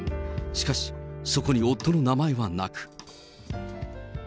しかし、そこに夫の名前はなく。